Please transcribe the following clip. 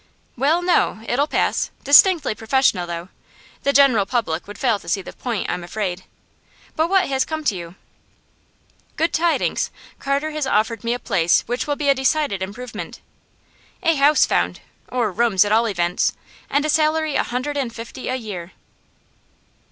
'Well, no; it'll pass. Distinctly professional though. The general public would fail to see the point, I'm afraid. But what has come to you?' 'Good tidings. Carter has offered me a place which will be a decided improvement. A house found or rooms, at all events and salary a hundred and fifty a year.